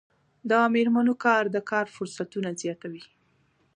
د میرمنو کار د کار فرصتونه زیاتوي.